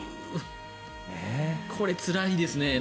これ、つらいですね。